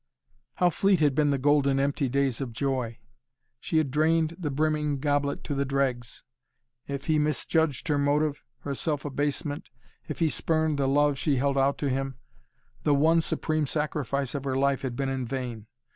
How fleet had been the golden empty days of joy. She had drained the brimming goblet to the dregs. If he misjudged her motive, her self abasement, if he spurned the love she held out to him, the one supreme sacrifice of her life had been in vain.